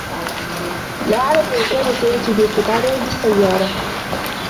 لا أعلم إن كان سيأتي بالقطار أو بالسيارة.